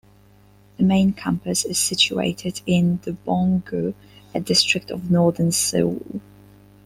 The main campus is situated in Dobong-gu, a district of northern Seoul.